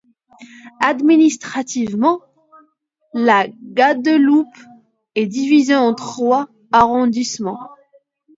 Administrativement, la Guadeloupe est divisée en trois arrondissements.